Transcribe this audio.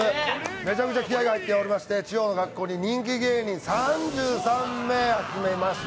めちゃくちゃ気合い入っていまして地方の学校に人気芸人が３３名集めました。